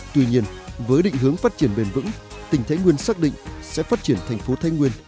tuy nhiên với định hướng phát triển bền vững tỉnh thái nguyên xác định sẽ phát triển thành phố thái nguyên